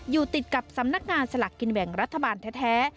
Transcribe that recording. อยู่ติดกับสำนักงานสลักกินแบ่งรัฐบาลแท้